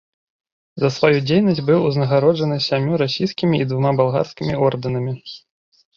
За сваю дзейнасць быў узнагароджаны сямю расійскімі і двума балгарскімі ордэнамі.